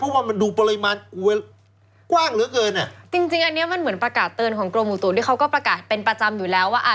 เพราะว่ามันดูปริมาณกว้างเหลือเกินอ่ะจริงจริงอันเนี้ยมันเหมือนประกาศเตือนของกรมอุตุที่เขาก็ประกาศเป็นประจำอยู่แล้วว่าอ่า